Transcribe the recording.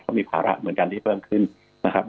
มีภาระเหมือนกันที่เพิ่มขึ้นนะครับ